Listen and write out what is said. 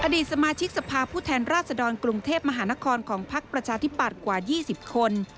อดีตสมาชิกสภาพผู้แทนราชดรกรุงเทพมหานครของพักประชาธิปัตย์กว่า๒๐คน